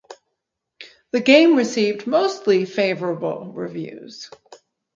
The game received mostly favorable reviews.